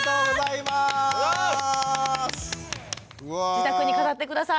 自宅に飾って下さい。